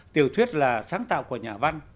tiểu thuyết là sáng tạo của nhà văn